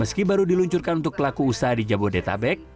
meski baru diluncurkan untuk pelaku usaha di jabodetabek